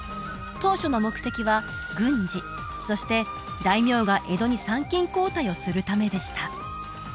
当初の目的は軍事そして大名が江戸に参勤交代をするためでした